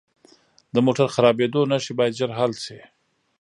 د موټر خرابیدو نښې باید ژر حل شي.